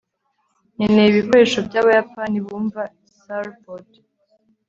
nkeneye ibikoresho byabayapani bumva. (sirpoot